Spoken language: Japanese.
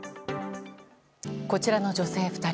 こちらの女性２人。